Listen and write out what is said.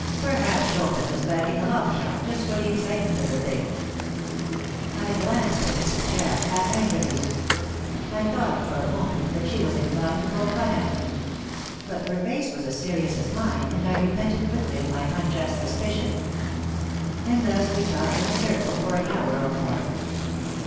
"Perhaps Chopin was backing a long shot, just for the excitement of the thing." I glanced at Mrs. Jack, half angrily. I thought for a moment that she was inclined to poke fun at me. But her face was as serious as mine, and I repented quickly of my unjust suspicion. And thus we talked in a circle for an hour or more.